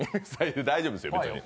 大丈夫ですよ、別に。